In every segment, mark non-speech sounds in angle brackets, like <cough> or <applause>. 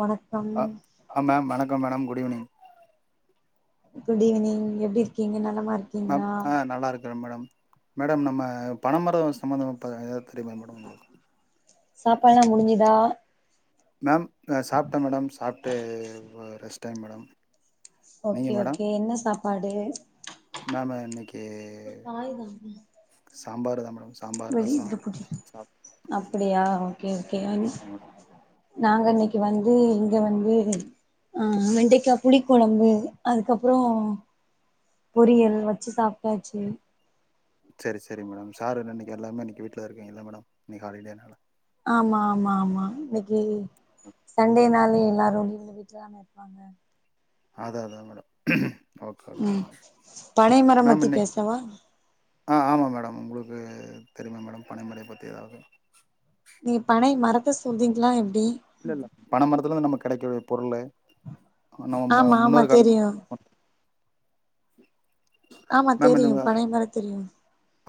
வணக்கம் come madam good evening good evening எப்டி இருக்கீங்க நல் லமா இருக்கீங்ளா குறேன் மேடம் மேடம் நம்ம பனமரம் சம்பந்தம் இப்ப எதாது தெரியுமா மேடம் உங்களுக் சாப்பாடுல்லா முடிஞ்சுதா மேம் சாப்டே மேடம் சாப்டு ரெஸ்ட் டைம் மேடம் நீங்க ஓகே மேடம் ஓகே என்ன சாப்பாடு மேம் இன்னைக்கு காய்தா மா சாம்பார் தா மேடம் சாம்பார் ரசம் வெளில போடி சாப் அப்டியா ஓகே ஓகே அன் ஆமா மேடம் நாங்க இன்னக்கி வந்து இங்க வந்து அ வெண்டிக்கா புளிக்கொழம்பு அதுக்கப்றோ பொரியல் வச்சு சாப்டாச்சு சரி சரி மேடம் சாரு இன்னைக்கி எல்லாமே இன்னைக்கு வீட்ல தா இருக்கீங்கல மேடம் இன்னைக்கி ஹாலிடேனால ஆமா ஆமா ஆமா இன்னைக்கி சண்டே நாள எல்லாரும் எங்க வீட்ல தான இருப்பாங்க அதா அதா மேடம் ஓகே ஓகே ம் பனை மரம் மேம் பத்தி இன்னைக்கு பேசவா ஆ ஆமா மேடம் உங்களுக்கு தெரியுமா மேடம் பனை முறை பத்தி ஏதாது நீங்க பனை மரத்த சொல்றீங்களா எப்டி இல்ல இல்ல பனமரத்துல இருந்து நமக் கெடைக்கூடிய பொருளு நம்ம ஆமா ஆமா முன்னோர் கால தெரியு ஆமா மேம் இந்த தெரியும் பனைமர தெரியும்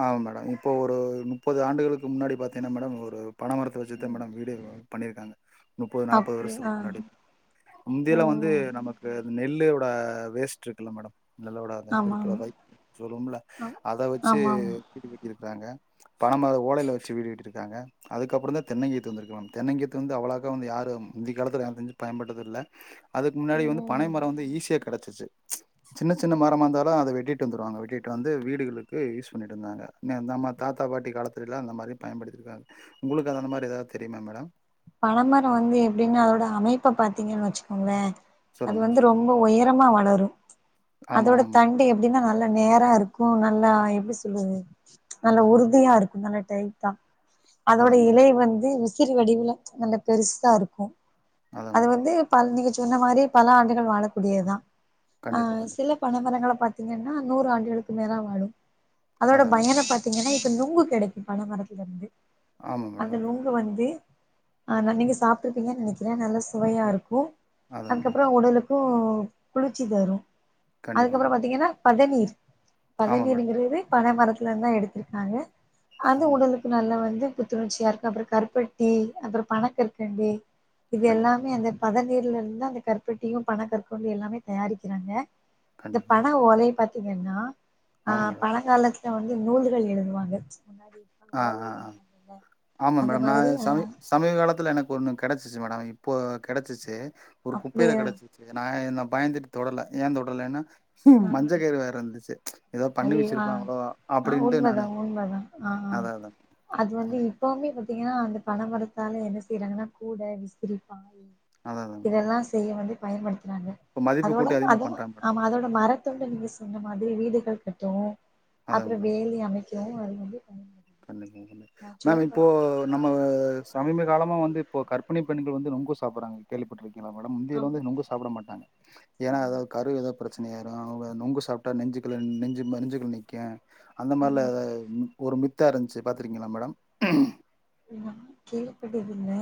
ஆமா மேடம் இப்போ ஒரு முப்பது ஆண்டுகளுக்கு முன்னாடி பாத்தீங்கன்னா மேடம் ஒரு பன மரத்த வச்சுத்தா மேடம் வீடே வா பண்ணிருக்காங்க முப்பது நாப்பது அப்டி ஆ வருஷத்துக் முன்னாடி முந்தில வந்து ம் நமக்கு நெல்லு ஓட வேஸ்ட் இருக்குல்ல மேடம் நெல் ஓட அந்த இது ஆமா இருக்குல ஆமா வைக் சொல்வோம்ல ஆம் அத வச்சு து ஆமா ஆமா திருவிக்கிறது ராங்க பன மர ஓலைல வச்சு வீடு கட்டி இருக்காங்க அதுக்கப்றோ தா தென்னங்கீத்து வந்துருக்கு நம்ம தென்னங்கீத்து வந்து அவ்ளாக்க வந்து யாரு முந்தி காலத்துல எனக்கு தெரிஞ்சு பயன்பட்டது இல்ல அதுக்கு முன்னாடி வந்து ம் பனைமரம் வந்து ஈஸியா கடச்சிச்சு சின்ன சின்ன மரமா இந்தாலு அத வெட்டிட்டு வந்துருவாங்க வெட்டிட்டு வந்து வீடுகளு க்கு யூஸ் பண்ணிட்ருந்தாங்க நம் நம்ம தாத்தா பாட்டி காலத்துலெல்லா அந்த மாரி பயன்படுத்திருக்காங்க உங்களுக்கு அந்த மாரி எதா தெரியுமா மேடம் பனமரொ வந்து எப்டின்னா அதோட அமைப்ப பாத்தீங்கன் வச்சுக்கோங்ளே அது சொல்லுங்க வந்து மேடம் ரொம்ப ஒய ரமா வளரு ஆமா அதோட ஆமா தண்டு எப்டின்னா நல்லா நேரா இருக்கு நல்லா எப்டி சொல்றது நல்ல உறுதியா இருக்கு நல்ல டைட்டா அதோட அதான் மேடம் இலை வந்து வி சிறி வடிவுல நல்ல பெருசா இருக்கு அதான் அது மேடம் வந்து பல் நீங்க சொன்ன மாரி பல ஆண்டுகள் வாழக்கூடியதா ஆ கண்டிப்பா கண்டிப்பா சில பன மரங்கள பாத்தீங்கன்னா நூறு ஆண்டுகளுக்கு மேலா வாழு அதோட அதான் மேடம் பயன பாத்தீங்கன்னா இப் ப நுங்கு கெடைக்கு பன மரத்துலருந்து ஆமா அந்த மேடம் நுங்கு வந்து ஆனா நீங்க சாப்ட்ருப்பீங்கன் நெனைக்கிறே நல்ல சுவையா ஆ- இருக்கு அதான் மேடம் அதுக்கப்ற உடலுக் கு குளிர்ச்சி தரு கண்டிப்பா அதுக்கப்புற மேடம் பாத்தீங்கன்னா பதநீர் ஆமா மேடம் பதநீருங்கிறது பனமரத்துலந்தா எடுத்துர்க்காங்க அது ஆமா உடலுக்கு நல்ல வந்து புத்துணர்ச்சியா இருக்கு அப்ற கருப்பட்டி அப்ற பனக் கற்கண்டு இது கண்டிப்பா எல்லாமே அந்த பதநீர்லெருந்தா அந்த கருப்பட்டியு பனங்கற்கண்டு எல்லாமே தயாரிக்கிறாங்க இந்த கண்டிப்பா மேடம் பன ஓலைய பாத் தீங்கன்னா ஆ ஆமா மேடம் பழங்காலத் ட்டா வந்து நூல்கள் எழுதுவாங்க முன்னாடி ஆ ஓலைல ஆ ஆ எழுதுவாங்கல்ல ஆமா அந்த மேடம் நா மாதிரி சமீ சமீப காலத்துல எனக் ஒன்னு கெடச்சுச்சு மேடம் இப்போ கெடச்சுச்சு ஒரு குப்பையில அப்டியே கெடச்சுச்சு நா என்னப் பயந்துட்டு தொடல ஏந் தொடலன்னா ஆ மஞ்ச கயிறு வேற இருந்துச்சு எதோ பண்ணி ஐயயோ ஆ வெச்சுருப்போங்களோ ஆ அப்டின்ட்டு உண்மதா நானு உண்மதா ஆ அதான் அதான். அது வந்து இப்பவுமே பட் பாத்தீங்கன்னா அந்த பண மரத்தால என்ன செய்யறாங்கன்னா கூட விசிரிப்பா அதான் அதான். மேடம். இதெல்லா செய்ய வந்து பயன்படுத் துறாங்க இப்ப மதிப்பு அதோட கூட்டி அதிகமா அத பண்ட்டான் மேடம். ஆமா அதோடோ மரத்தொண்டு நீங்க சொன்ன மாதிரி வீடுகள் கட்டுவோ அதான் அப்புறோ மேடம். வேலி அமைக் கு அது வந்து பயன்படுது கண்டிப்பா கண்டிப்பா. நா சொல்ல மேம் இப்போ போனா நம்ம சமீப காலோ சாம வந்து இப்ப கர்பிணி பெண்கள் வந்து நொங்கு சாப்புடுறாங்க கேள்விபட்ருக்கீ ங்கீங்களா மேடம் இந்தியால ஆமா வந்து நொங்கு சாப்புட மாட்டாங்க ஏனா ஆமா எதாவது கரு எதோப் பிரச்சனை ஆயிரு அவங்க நொங்கு சாப்புட்டா நெஞ்சுக்குள்ல நெஞ்சு ம நெஞ்சுக்குள்ல நிக்கு அந்த மாரில ம் எதா ம் ஒரு மித் தா இருஞ்சு பாத்துக்கீங்களா மேடம் ஆமா கேள்விப்பட்டதில்ல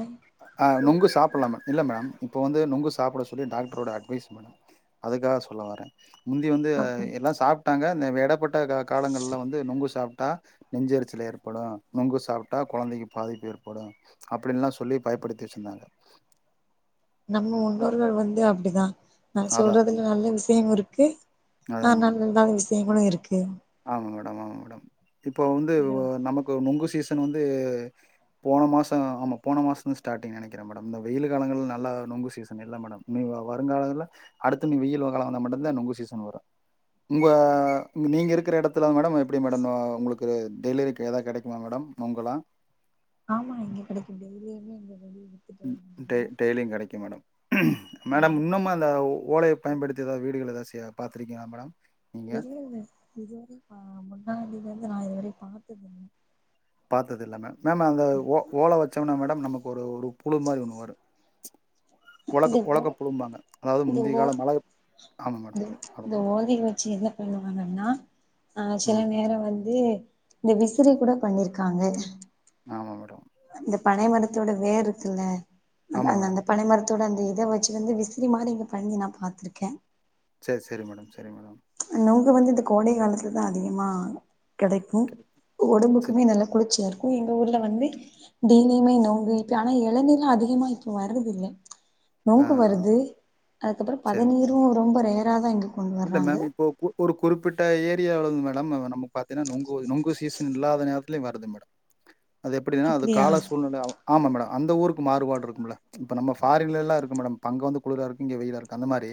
ஆ இப்ப நொங்கு உள்ள சாப்புல்லா மே இல்ல மேடம் இப்ப வந்து நொங்குஸ் சாப்புட சொல்லி டாக்டரோட அட்வைஸ் மேடம் அதுக்காக சொல்ல வர முந்தி வந்து அப்டி எல்லா சாப் ட்டாங்க அந்த வெடப்பட் ட்ட கா காலங்கள்ல வந்து நொங்கு சாப் டா நெஞ்செருச்சலு ஏற்படு நொங்கு சாப்புட்டா கொழந்தைக்கு பாதிப்பு ஏற்படு அப்டின்லா சொல்லி பயப்படுத்தி வெச்சுருந்தாங்க நம்ம முன்னோர்கள் வந்து அப்பிடிதா நா அதான் அதான் சொல்றதுல நல்ல விஷ்யம் இருக் க ஆ அதான் மேடம் நல்லதா விஷ் தேமளு இருக்கு ஆமா மேடம் ஆமா மேடம் இப்போ வந்து இந்த- நமக்கு நுங்கு சாப் சீசன் வந்து போன மாசோ ஆமா போன மாசந்து ஸ்டாட்டிங் நெனைக்கிறே மேடம் வெயில் காலங்கள் நல்லா நொங்கு சீசன் இல்ல மேடம் நீ வ வருங்காலங்கள அடுத்து நீ வெயில் காலே வந்தா மட்டுதா நொங்கு சீசன் வரும் உங்க நீங்க இருக் இருக்கிற எடத்துல மேடம் எப்பிடி மேடம் உங்களுக்கு டெலிரிக்கு எதா கெடைக்குமா மேடம் நுங்கலா ஆமா இங்க கிடைக்கு டெய்லியுமே இங்க வெளிய வித்துட்டு ம் டெ வருவாங்க டெய்லிங் கெடைக்கு மேடம் மேடம் ம் இன்னுமா ஆமா அந்த ஓலை பயன்படுத்தி எதா வீடுகள் எதா செய் பாத்துர்க்கீங்களா மேடம் நீங்க தெரியல இதுவரை ஆ முன்னாடித இது நா இதுவரை பாத்ததுல்ல பாத்தது இல்ல மேம் மேம் அந்த ஓ ஓல வச்சம்னா மேடம் நமக்கு ஒரு ஒரு புழு மாரி ஒன்னு வரு இந்த உலக்க ஓ உலக்க புழும்பாங்க அதாவது இந்த முந்திய ஓ கால மழ ஆமா மேம் இந்த இந்த அவ் ஓலைய வச்சு என்ன பண்ணுவாங்கன்னா ஆ சில நேரோ வந் ந்து இந்த விசிறி கூட பண்ணிருக்காங்க ஆமா மேடம் இந்த பனை மரத்தோட வேர் இருக்குல்ல ஆமா அந்த மேடம். அந்த பனைமரத் த்தோட அந்த இத வச்சி வந்து விசிறி மாரி இங்க பண்ணி நா பாத்திருக்கே சே சேரி மேடம் சேரி மேடம் நொங்கு வந்து இந்த கோடை காலத்துலதா அதிகமா கெடைக்கு சரி. ஒடம்புக்குமே நல்ல குளிர்ச்சியா இருக் கு எங்க ஊர்ல வந்து டெய்லியுமே நொங்கு இப்ப ஆனா எளநீர்லா அதிகமா இப்ப வரத இல்ல ஆ, நொங்கு ஆ, வருது ஆ. அதுக்கப்புறோ சரி மேம். பதநீரு ரொம்ப ரேர் இராதாங் இல்ல மேம் இப்போ கு ஒரு குறிப்பிட்ட ஏரியாவளந் மே டம் நம்ம பாத்தீன்னா நொங்கு நொங்கு சீசன் இல்லாத நேரத்துலியு வருது மேடம் அது எப்பிடின்னா அது அப்டியா கால சூழ்நிலை ஆ ஆமா மேடோ அந்த ஊருக்கு மாறுபாடு இருக்கும்ல இப்போ நம்ம ஃபாரின்லல எல்லா இருக்கு மேடம் அங்க வந்து குளிர இருக்கு இங்க வந்து வெயில இருக்கு அந்த மாரி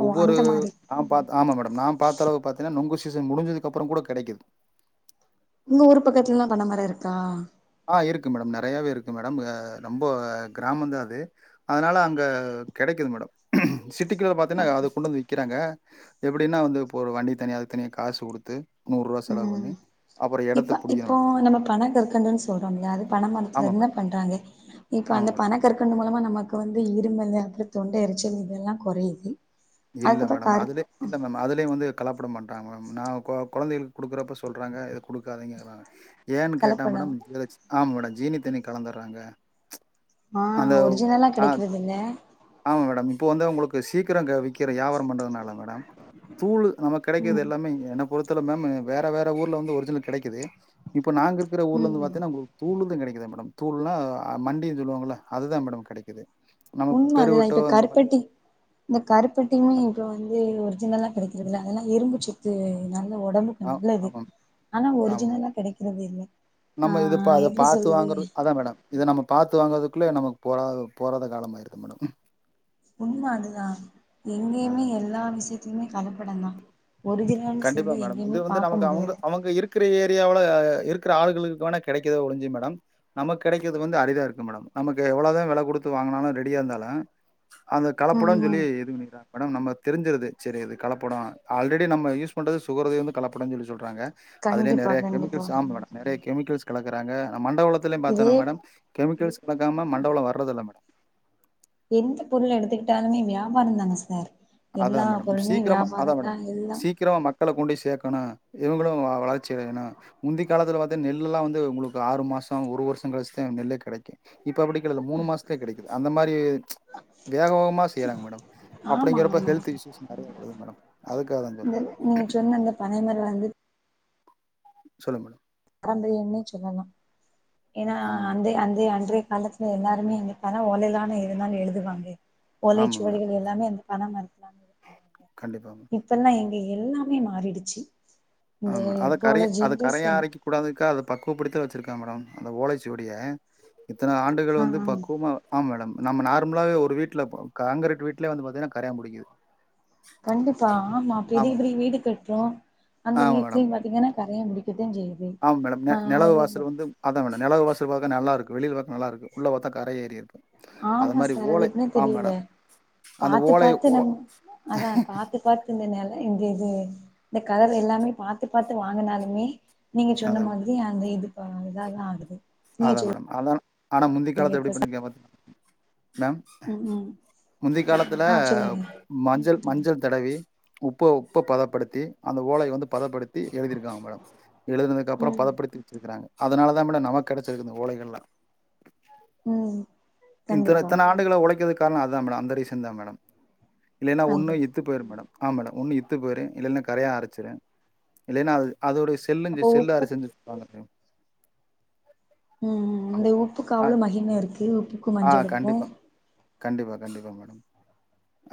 அவ் ஒவ்வொரு அந்த மாரி நான் ஆமா மேடம் நா பாத்தா அளவு பாத்தீங்கன்னா நொங்கு சீசன் முடிஞ்சதுக்கு அப்றோ கூட கிடைக்குது உங்க ஊர் பக்கத்துல எல்லா பண மரம் இருக்கா ஆ இருக்கு மேடம் நெறையாவே இருக்கு மேடம் ரொம்ப கிராமம் தா அது அதனால அங்க கிடைக்குது மேடம் சிட்டிக்குல்ல வந்து பாத்தங்கன்னா அது கொண்டு வந்து விக்குறாங்க எப்டின்னா வந்து இப்ப ஒரு வண்டி தனியா வித்து காசு குடுத்து நூறு ரூவா செலவு ம் பண்ணி அப்றோ இடத்த புடிக்கனும் சொல்றோல அது பணமரத்துல இருந்து பண்றாங்க இப்ப ஆமா அந்த மேடம் பண கற்கண்டு மூலமா நம்ம க்கு வந்து இருமல் அப்றோ தொண்ட எரிச்சல் இதெல்லாம் கொறையுது இல்ல அதுக்கப்புறோ மேடம் கருப்பு அதுலய இல்ல மேடம் அதுலயே வந்து கலப்படம் பண்றாங்க மேடம் நா கொழந்தைகளுக்கு குடுக்குறப்ப சொல்கிறாங்க இத குடுக்காதிங்க ஏன்னு கேட்டா கலப்படோ மேடம் ஆம் மேடம் ஜீனி தண்ணி கலந்துடுறாங்க ஆ அந்த ஒரிஜினல்லா ஆ கிடைக்கிறது இல்ல ஆமா மேடம் இப்ப வந்து உங்களுக்கு சீக் விக்கிறவங்க விக்கிற வியாபாரம் பண்றதுனால மேடம் தூள் நம்ம கிடைக்கது ம் எல்லாமே என பொறுத்துல மேம் வேற வேற ஊர்ல வந்து ஒரிஜினல் கிடைக்குது நாங்க இருக்க ஊர்ல வந்து ம் பாத்திங்கனா தூள் தா கிடைக்குது மேடம் தூள்னா மண்டினு சொல்லுவாங்கல்லா அதுதா மேடம் கிடைக்குது உண்மை அதுதா இப்ப கருப்பட்டி இந்த கருப்பட்டியுமே இப்ப வந்து ஒரிஜினல்லா கிடக் அதெல்லாம் இரும்பு சத்து தா உடம்புக்கு ஆ நல்லது ஆமா ஆனா ஆமா ஒரிஜினலா கிடைக்கிறது இல்ல நம்ம இது பா ஆ அத எப்டி பாத்து சொல்லுறது வாங்குறது அதா மேடம் இத நம்ம பாத்து வாங்கறதுக்குள்ளே நமக்கு போற போறாத காலம் ஆயிருது மேடம் உண்மா அதுதான் எங்கேயுமே அதா எல்லா விஷயத்தையுமே கல படம்தா கண்டிப்பா மேடம் இது வந்து நமக்கு அவுங்க முடியல அவங்க இருக்கிற ஏரியாவுல இருக்குற ஆளுகளுக்குவேனா கெடக்கத ஒழுசு மேடம் நமக்கு கெடக்குறது வந்து அரிதா இருக்கு மேடம் நமக்கு எவ்வளவுதா வெல குடுத்து வாங்குனாலு ரெடியா இருந்தாலு அந்த கலப்படனு சொல்லி ம் எதுங்கேட்டா மேடம் நம்ம தெரிஞ்சுருது சரி இது கலப்படோ ஆல்ரெடி நம்ம யூஸ் றது சுகரவே வந்து கலப்படன்னு சொல்லி சொல்றாங்க அதுலேயே கண்டிப்பா நெறய கண்டிப்பா கெமிக்கல்ஸ் ஆமா மேடம் நெறய கெமிக்கல்ஸ் கலக்குறாங்க மண்டவெல்லத்தில இதே பாத்திங்னா மேடம் கெமிக்கல்ஸ் கலக்காம மண்டவலம் வர்றதில்ல மேடம் எந்த பொருள் எடுத்துக்கிட்டாலுமே வியாபார தான சார் அதா எல்லா மேடம் பொருளுமே சீக்கிரமா அதா வியாபாரந்தா மேடம் எல்லா சீக்கிரமா மக் மக்கள கொண்டு போய் சேக்கணு இவங்களு வளர்ச்சி அடையணு முந்தி காலத்துல பாத்தா நெல் எல்லா வந்து உங்களுக்கு ஆறு மாசோ ஒரு வருஷோ கழிச்சுதா நெல்லே கெடைக்கு இப்ப அப்டி கெடயாது மூனு மாசத்லயே கெடக்குது அந்த மாரி வேக வேகமா செய்யுறாங்க மேடம் அப் ஆமா அப்டிங்கிறப்ப ஆமா ஹெல்த் இஷ்யூஸ் நெறய வருது மேடம் அதுக்காக தா இந்த நீங்க மேடம் சொன்ன இந்த பனைமரம் வந்து சொல்லுங்க மேடம் அந்த என்ன சொல்லலா ஏனா ஆமா மேடம் அந்தே அந்தே அன்றே காலத்துல எல்லாருமே எங்கப்பானா ஒலைலதான எதுனாலு எழுதுவாங்க ஆமா மேடம் ஒலைச்சுவடிகள் எல்லாமே அந்த பன மரத்லான்னு கண்டிப்பா மேடம் இப்பல்லா எங் எல்லாமே மாறிடுச்சு இந்த ஆமா அத இப்போ க உள்ள அத கரையா ஜென்ரேஷன் அரைக்க கூடாதுக்குது பக்குவ படுத்துயே வச்சிருக்கு மேடம் அந்த ஓலைச்சுவடிய இத்தன ஆண்டுகள் ஆ வந்து பக்குவமா ஆ மேடம் நம்ம நார்மலாவே ஒரு வீட்ல ஹாங்கிருட்டு வீட்டுலயே வந்து பாத்தீங்கன்னா கரையா புடிக்குது கண்டிப்பா ஆமா பெரிய பெரிய வீடு கட் அப்றோ அந்த ஆமா மேடம் வீட்லயு பாத்தீங்கன்னா கரையா பிடிக்குது ஆமா மேடம் நெ நெலவு வாசல் வந்து அதா மேடம் நொலவு வாசல் பாக்க நல்லாருக்கு வெளில பாக் நல்லாருக்கு உள்ள பாத்தா கற ஏறி இருக்கு அது ஆமா மாரி சார் ஓலை எப்டினே ஆ தெரியல மேடம் அந்த பாத்து ஓலை பாத்து ஓ நம் அ இந்தது இந்த கதவு எல்லாமே பாத்து பாத்து வாங்குனாலுமே நீங்க சொன்ன அதான் மாதிரி அந்த இது ப்ப அதல்லா ஆடுது அதா மேடம் அதா ஆனா முந்தி காலத்துல எப்டி இப்ப பண்ணிருக்கே பாத் மேம் ம் ம் முந்தி காலத்தில ஆ சொல்லுங்க மஞ்சள் மஞ்சள் தடவி உப்ப‌ உப்ப பதப்படுத்தி அந்த ஓலை வந்து பதப்படுத்தி எழுதியிருக்காங்க மேடம் எழுதுனதுக்கப்புறொ ம் பதப்படுத்தி வச்சிருக்குறாங்க அதுனால தா மேட‌ நமக் கெடச்சிருக்கு இந்த ஓலைகள்லா ம் இத்தன கண்டிப்பா இத்தன ஆண்டுகளா ஒழைக்கதுக்கு காரண‌ அதா மேட அந்த ரீசன் தா மேடம் இல்லைனா ஒன்னு அது இத்து போயிரு மேடம் ஆ மேடம் ஒன்னு இத்து போயிரு இல்லன்னா கரையா அரச்சிரு இல்லைனா அது அதோடைய செல்லஞ்சு அப்போ உப்பு செல்லாரு செஞ்சுருப்பாங்க ம் ம் இந்த உப்புக்கு ஆ அவ்ளொ மகிம இருக்கு உப்புக்கு ஆ மஞ்சளுக்கு கண்டிப்பா கண்டிப்பா கண்டிப்பா மேடம்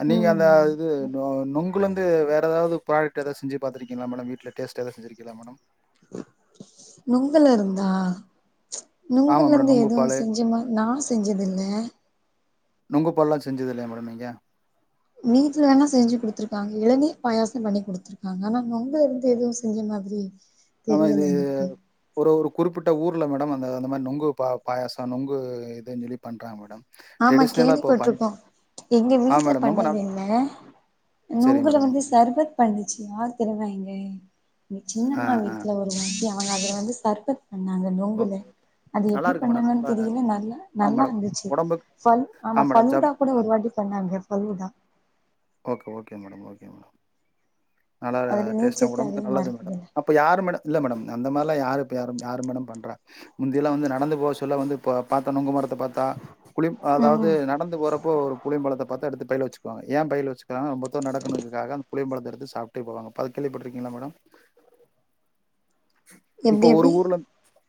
நீங்க அந்த ம் இது நொ நொங் குலெந்து வேற எதாவுது ப்ராடக்ட் எதா செஞ்சு பாத்திருக்கீங்ளா மேடம் வீட்ல டேஸ்ட்டா‌ எது செஞ்சிருக்கிளா மேடம் நுங்குலருந்தா ஆமா மேடம் நுங்குலந்து நொங்கு பால் எதுவு செஞ்சமா நா செஞ்சதில்ல நுங்கு பால்லா செஞ்சதில்லயா மேடம் நீங்க வீட்ல வேணா செஞ்சு குடுத்துருக்காங்க இளநீர் பாயாசம் பண்ணி குடுத்துருக்காங்க ஆனா நொங்குலருந்து எதுவு செஞ்ச மாதிரி ஆனா தெரியல இது எனக்கு ஒர ஒரு குறிப்பிட்ட ஊர்ல மேடம் அந்த அந்த மார் நொங்கு பா பாயாச நொங்கு இதுன் சொல்லி பண்றாங்க மேடம் ஆமா ட்ரெடிஷ்னலா இப்போ பண் கேள்விப்பட்ருக்கோ எங்க ஆ வீட்ல மேடம் ரொம்ப நல் பண்ணதில்ல சரி நொங்குல மேடம் வந்து சர்பத் பண்ணுச்சு யார் தெரிமா எங் <unintelligible> க ஆ சின்னம்மா ஆ வீட்ல ஒரு வாட்டி அ அவங்க அது வந்து சர்பன் பண்ணாங்க நொங்குல ஓகே அது நல்லா எப்படி இருக்கு மேடம் பண்ணங்கன்னு நல்லா தெரியல நல்லா ஆ நல்லா மேடம் இருந்துச்சு உடம்புக்கு பல் ஆ ஆமா மேடம் ஃபல்லுடா ஜப் கூட ஒரு வாட்டி பண்ணாங்க falooda okay okay madam okay madam நல்லா அதுல டேஸ்டு நீர்ச்சத்து ஒடம்புக்கு அதிகமா நல்லது மேடம் இருக்குதுல்ல அப்போ யாரு மேடம் இல்ல மேடம் அந்தமதிரிலா யார் இப்பயார் மேடம் பண்றா முந்தில்லா வந்து நடந்து போக சொல்ல வந்து இப்போ பார்த்தா நுங்குமரத்தை பாத்தா புளிப் அதாவது ம் நடந்து போறப்போ ஒரு குளியமரத்த பார்த்தா எடுத்து பைல வச்சு ங்க ஏன் பய்ல வச்சக்காங்க ரொம்ப தூரோ நடக்கதுக்காக அந்த புலியம்பலத்தைடுத்து சாப் நடந்துபோவாங்க அது கேள்வி பட்டிருக்கீங்களா மேடம் இப்போ எப்டி ஒரு எப்டி ஊர்ல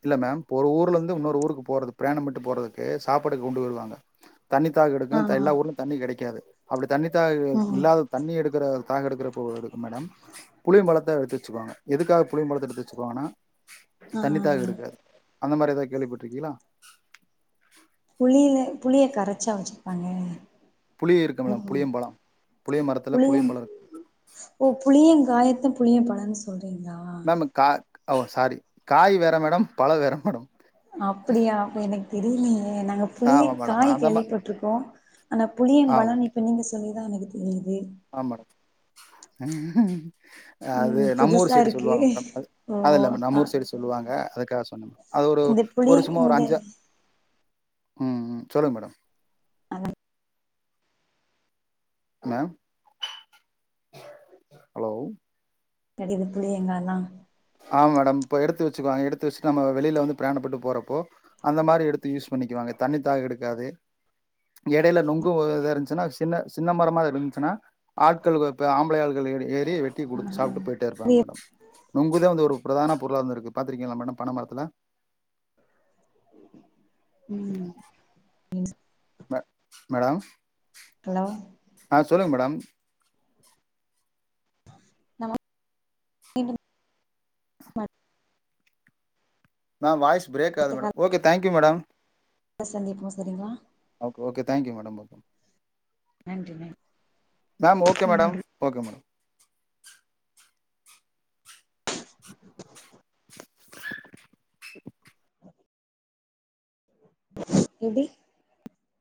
இல்ல மேம் ஒரு ஊர்ல இருந்து இன்னொரு ஊருக்கு போறது பிரயாணம் பண்ட்டு போறதுக்கு சாப்பாடு கொண்டு வருவாங்க தண்ணி தாகோ எடுக்கு ஆ எல்ல ஊருலையு தண்ணி கிடைக்காது அப்டி தண்ணி தாக ம் இல்லாத தண்ணி எடுக்குர தாக எடுக்கிறக்கு எடுக்கு மேடம் புளிய பழத் ல்லாரு எடுத்துச்சுக்காங்க எதுக்காக புலியபழத்த எடுத்து வச்சுபோனா ஆ தன்னிதாக எடுக்காது அந்த மாரி ஏதாவது கேள்விப்பட்டிருக்கீங்களா புளியில புளிய கரைச்சா வச்சிருப்பாங்க புளி இருக்கும்ல புளியம்பழம் புளிய மரத்துல புளிய புளியம்பழம் இருக்கு ஓ புளியன் காய்ல புளியபழம் சொல்றன் அப்டிங்களா மேம் கா ஓ சாரி காய் வேற மேடம் பழ வேற மேடம் அப்படியா அப்போ எனக்கு தெரியலங்க அ நாங்க புளிய ஆமா மேடம் காய் அந்த மா கேள்வி பட்டிடுருக்கோ ஆனா புளியம் ஆமா பழம் இப்ப நீங்க சொ அதுதா எனக்கு தெரியுது ஆமா மேடம் அ அது ம் நம்மூ ஊர் புதுசா சைடு இருக்கு சொல்லுவாங்க மேடம் அது ஓ அது இல்ல மேடம் ஆ நம்மூ ஊர் சைடு சொல்லுவாங்க ட சொன்ன அது ஒரு இந்த புளி ஒரு சும்மா ஒரு இந்த அஞ்சி ம் சொல்லுங்க மேடம் அந்த மேம் ஹலோ கெடையது புளியாங்காலா ஆமா மேடம் இப்போ எடுத்து வச்சிக்குவாங்க எடுத்து வச்சிட்டு நம்ம வெளில வந்து பிராணப்பட்டு போறப்போ அந்த மாரி எடுத்து யூஸ் பண்ணிக்குவாங்க தண்ணி தாக எடுக்காது எடையில நொங்கும் ஒரு இதா இருந்துச்சின்னா சின்ன சின்ன மரமாக இருந்துச்சினா ஆட்கள் இப்ப ஆம்பளை ஆள்கள் ஏ ஏறி வெட்டி குடுத்து சாப்ட்டு போயிட்டே இருப்பாங்க அவுங்க மாட்டும் நுங்குதா வந்து ஒரு பிரதான பொருளா இருந்து இருக்கு பாத்துருக்கீங்களா மேடம் பன மரத்துல ம் மீன்ஸ் மே மேடம் ஹலோ ஆ சொல்லுங்க மேடம் நமக் <inaudible> மேம் வாய்ஸ் பிரேக் ஆகுது madam okay thank okay madam சந்திப்போம் சரிங்கிளா okay okay thank you madam okay நன்றி நன் ma'am okay madam okay madam <inaudible> எப்டி